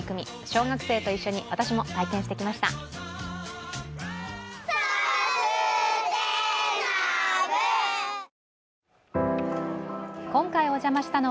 小学生と一緒に私も体験してきました。